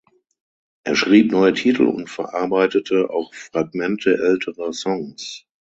Er schrieb neue Titel und verarbeitete auch Fragmente älterer Songs.